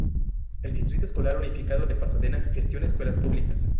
El Distrito Escolar Unificado de Pasadena gestiona escuelas públicas.